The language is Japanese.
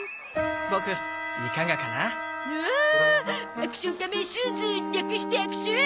アクション仮面シューズ略してアクシュー！